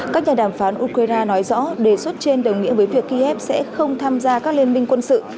các nhà đàm phán ukraine nói rõ đề xuất trên đồng nghĩa với việc kiev sẽ không tham gia các liên minh quân sự